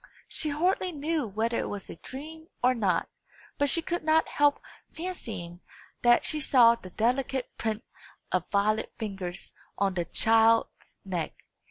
She hardly knew whether it was a dream or not, but she could not help fancying that she saw the delicate print of Violet's fingers on the child's neck.